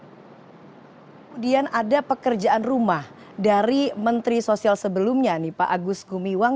kemudian ada pekerjaan rumah dari menteri sosial sebelumnya nih pak agus gumiwang